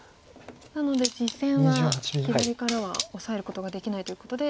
なので実戦は左からはオサえることができないということで。